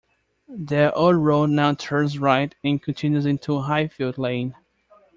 The old road now turns right and continues into Highfield Lane.